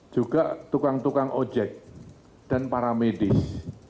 juga tukang tukang ojek dan para medis